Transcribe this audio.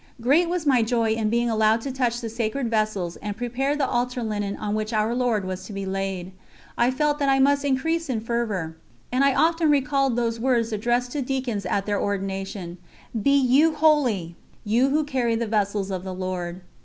Great was my joy in being allowed to touch the Sacred Vessels and prepare the Altar linen on which Our Lord was to be laid. I felt that I must increase in fervour, and I often recalled those words addressed to deacons at their ordination: "Be you holy, you who carry the Vessels of the Lord."